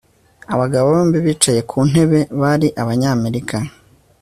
Abagabo bombi bicaye ku ntebe bari Abanyamerika